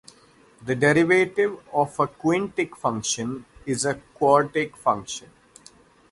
The derivative of a quintic function is a quartic function.